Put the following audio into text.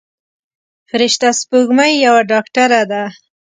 فرشته سپوږمۍ یوه ډاکتره ده.